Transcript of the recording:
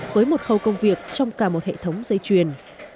với một khâu công việc trong cả một hệ thống dây chuyền